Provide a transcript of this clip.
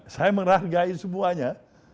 saya mengeragai semuanya